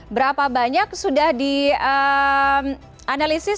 berapa banyak sudah dianalisis